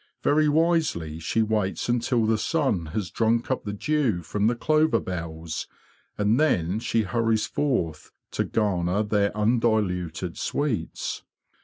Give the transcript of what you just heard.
Very wisely she waits until the sun has drunk up the dew from the clover bells, and then she hurries forth to garner their undiluted sweets.